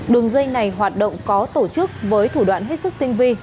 đường dây này hoạt động có tổ chức với thủ đoạn hết sức tinh vi